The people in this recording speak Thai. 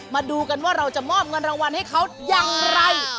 มาดูกันว่าเราจะมอบเงินรางวัลให้เขาอย่างไร